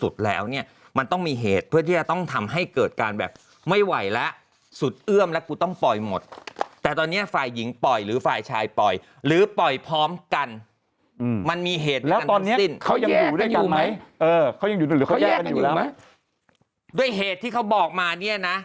ด้วยเหตุที่บอกมาถ้ายังอยู่ด้วยกัน